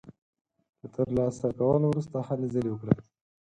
له تر لاسه کولو وروسته هلې ځلې وکړي.